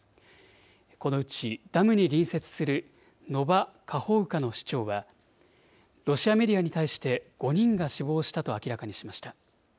このうちダムに隣接するノバ・カホウカの市長は、ロシアメディアに対して５人が死亡したと明らかにしました。